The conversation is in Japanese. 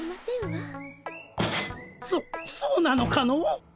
そそうなのかの？